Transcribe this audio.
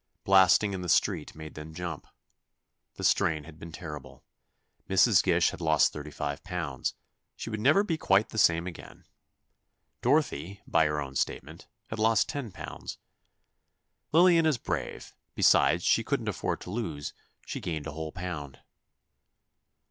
Blasting in the street made them jump. The strain had been terrible. Mrs. Gish had lost thirty five pounds—she would never be quite the same again. Dorothy, by her own statement, had lost ten pounds. "Lillian is brave; besides, she couldn't afford to lose. She gained a whole pound."